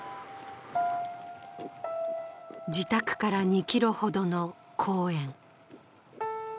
自宅から２ｋｍほどの公園。